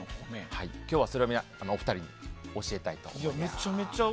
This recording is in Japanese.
今日はそれをお二人に教えたいと思います。